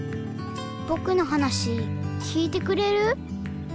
ぼくのはなしきいてくれる？